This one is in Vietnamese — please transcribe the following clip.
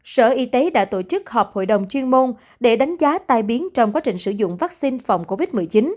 sở y tế đã tổ chức họp hội đồng chuyên môn để đánh giá tai biến trong quá trình sử dụng vaccine phòng covid một mươi chín